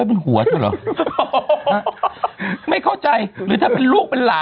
เออก็ใช่ไงเนอะ